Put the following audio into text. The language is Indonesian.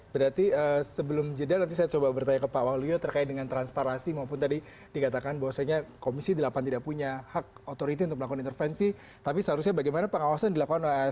berarti sebelum jeda nanti saya coba bertanya ke pak waluyo terkait dengan transparansi maupun tadi dikatakan bahwasanya komisi delapan tidak punya hak otoriti untuk melakukan intervensi tapi seharusnya bagaimana pengawasan dilakukan oleh asn